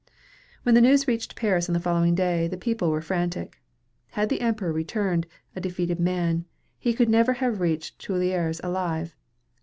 When the news reached Paris on the following day, the people were frantic. Had the Emperor returned, a defeated man, he could never have reached the Tuileries alive.